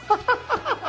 ハハハハ！